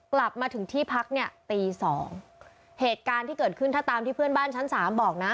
กลับมาถึงที่พักเนี่ยตีสองเหตุการณ์ที่เกิดขึ้นถ้าตามที่เพื่อนบ้านชั้นสามบอกนะ